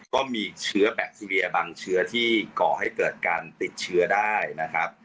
ก็มีเชื้อแบคทีเรียบางเชื้อที่ก่อให้เกิดการติดเชื้อได้นะครับ